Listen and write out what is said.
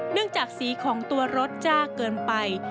เนื่องจากสีของตัวรถจ้าเกินไป